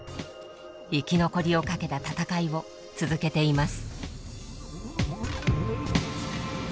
生き残りをかけた闘いを続けています。